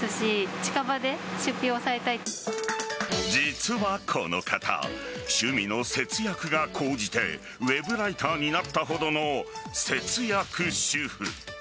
実はこの方趣味の節約が高じてウェブライターになったほどの節約主婦。